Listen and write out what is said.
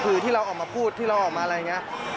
คือที่เราออกมาพูดที่เราออกมาอะไรอย่างนี้